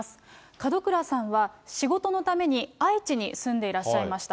門倉さんは、仕事のために愛知に住んでいらっしゃいました。